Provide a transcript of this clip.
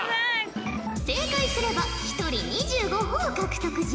正解すれば一人２５ほぉ獲得じゃ。